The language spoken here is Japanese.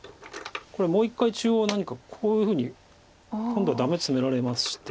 これもう一回中央何かこういうふうに今度はダメツメられまして。